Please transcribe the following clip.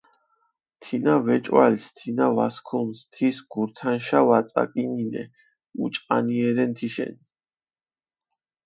თინა ვეჭვალს, თინა ვასქუნს, თის გურთანშა ვაწაკინინე, უჭყანიე რენ თიშენ.